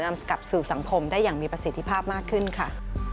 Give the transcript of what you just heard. นำกลับสู่สังคมได้อย่างมีประสิทธิภาพมากขึ้นค่ะ